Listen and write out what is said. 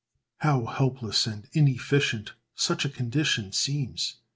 How helpless and inefficient such a condition seems!